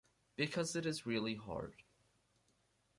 Because it is really hard.